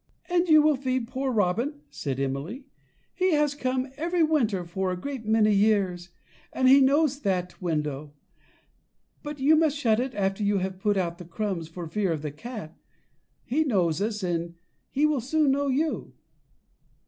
"And you will feed our poor robin," said Emily; "he has come every winter for a great many years, and he knows that window; but you must shut it after you have put out the crumbs, for fear of the cat. He knows us, and he will soon know you."